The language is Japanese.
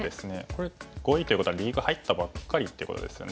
これ５位ということはリーグ入ったばっかりってことですよね。